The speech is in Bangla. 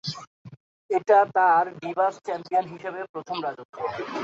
এটা তার ডিভাস চ্যাম্পিয়ন হিসেবে প্রথম রাজত্ব।